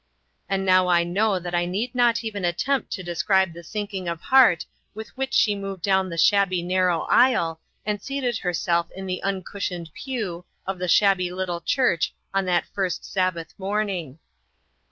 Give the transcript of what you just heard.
And now I know that I need not even attempt to describe the sinking of heart with which she moved down the shabby narrow aisle, and seated herself in the un cushioned pew of the shabby little church on that first Sabbath morning.